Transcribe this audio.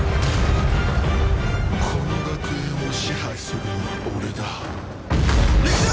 この学園を支配するのは俺だ。いくぞ！